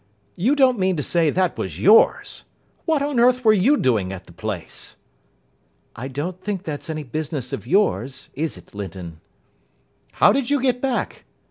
"You don't mean to say that was yours! What on earth were you doing at the place?" "I don't think that's any business of yours, is it, Linton?" "How did you get back?"